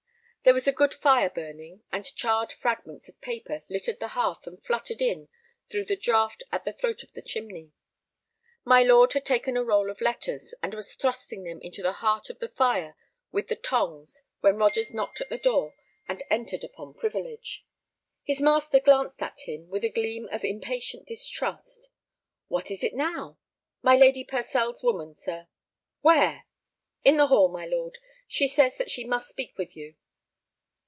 There was a good fire burning, and charred fragments of paper littered the hearth and fluttered in the draught at the throat of the chimney. My lord had taken a roll of letters, and was thrusting them into the heart of the fire with the tongs when Rogers knocked at the door and entered upon privilege. His master glanced at him with a gleam of impatient distrust. "What is it now?" "My Lady Purcell's woman, sir." "Where?" "In the hall, my lord. She says that she must speak with you."